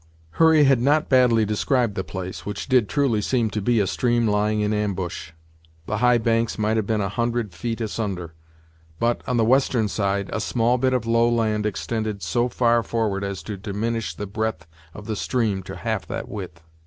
Hurry had not badly described the place, which did truly seem to be a stream lying in ambush. The high banks might have been a hundred feet asunder; but, on the western side, a small bit of low land extended so far forward as to diminish the breadth of the stream to half that width.